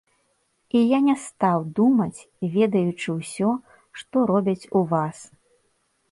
І я не стаў думаць, ведаючы ўсё, што робяць у вас.